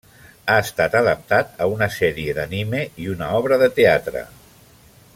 Ha estat adaptat a una sèrie d'anime i una obra de teatre.